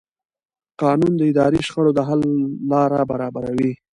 قانون د اداري شخړو د حل لاره برابروي.